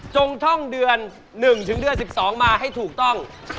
จงท่องเดือน๑๑๒มาให้ถูกต้อง